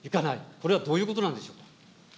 これはどういうことなんでしょう。